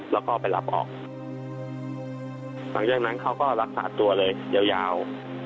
แล้วก็ไปรับออกหลังจากนั้นเขาก็รักษาตัวเลยยาว